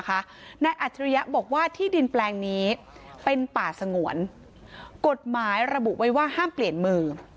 อาจริยะบอกว่าที่ดินแปลงนี้เป็นป่าสงวนกฎหมายระบุไว้ว่าห้ามเปลี่ยนมือ